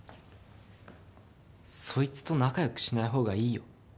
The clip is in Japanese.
そいつと仲良くしない方がいいよ